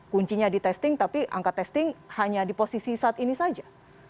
kuncinya di testing tapi angka testing hanya di posisi saat ini saja